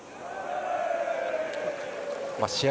試合